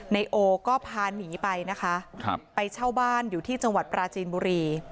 นายโอก็พาหนีไปนะคะไปเช่าบ้านอยู่ที่จังหวัดปราจีนบุรี